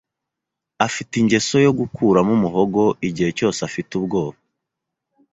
Afite ingeso yo gukuramo umuhogo igihe cyose afite ubwoba.